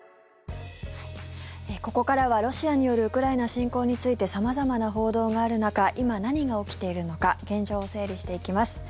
ここからはロシアによるウクライナ侵攻について様々な報道がある中今、何が起きているのか現状を整理していきます。